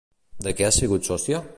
De què ha sigut sòcia?